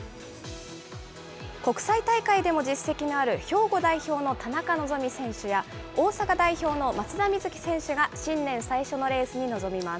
国際大会でも実績のある兵庫代表の田中希実選手や、大阪代表の松田瑞生選手が新年最初のレースに臨みます。